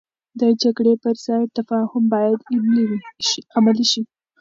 د جګړې پر ځای تفاهم باید عملي شي.